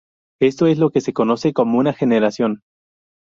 Esto es lo que se conoce como una generación.